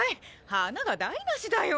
花が台なしだよ。